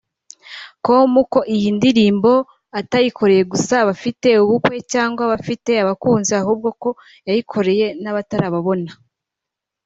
com ko iyi ndirimbo atayikoreye gusa abafite ubukwe cyangwa abafite abakunzi ahubwo ko yayikoreye n'abatarababona